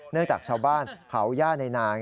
เนื่องจากชาวบ้านเผาหญ้าในนา